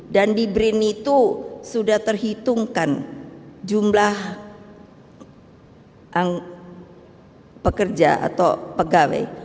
dan di brin itu sudah terhitungkan jumlah pekerja atau pegawai itu enam belas ribu bapak